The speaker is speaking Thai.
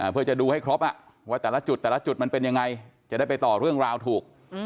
เพื่อจะดูให้ครบว่าแต่ละจุดแต่ละจุดมันเป็นยังไงจะได้ไปต่อเรื่องราวถูก